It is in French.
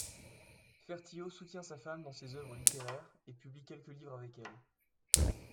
Fertiault soutient sa femme dans ses œuvres littéraires et publie quelques livres avec elle.